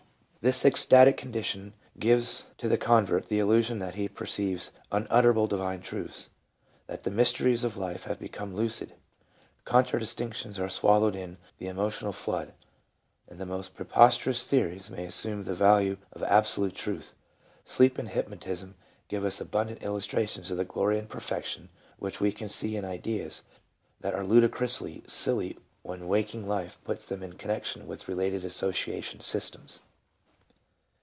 This ecstatic condition gives to the convert the illusion that he perceives unutterable, divine truths ; that the mysteries of life have become lucid. Contradictions are swallowed in the emotional flood, and the most preposterous theories may as sume the value of absolute truth. Sleep and hypnotism give us abundant illustrations of the glory and perfection which we can see in ideas that are ludicrously silly when waking life puts them in connection with related association systems.